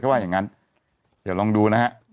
ว่าอย่างนั้นเดี๋ยวลองดูนะฮะ